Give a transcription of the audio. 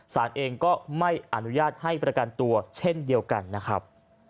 สารเองก็ไม่อนุญาตให้ประกันตัวเช่นเดียวกันนะครับ